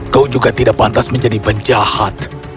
kau juga tidak pantas menjadi penjahat